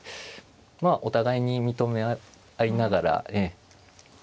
まあお互いに認め合いながらええ。